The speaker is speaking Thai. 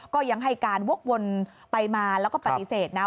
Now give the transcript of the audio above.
ก็ยังให้การวกวนไปมาแล้วก็ปฏิเสธนะ